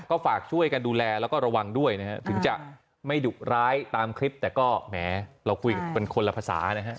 ก็ฝากช่วยกันดูแลแล้วก็ระวังด้วยนะฮะถึงจะไม่ดุร้ายตามคลิปแต่ก็แหมเราคุยกันเป็นคนละภาษานะฮะ